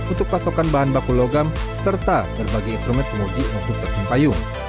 untuk pasokan bahan baku logam serta berbagai instrumen kemudi untuk tepung payung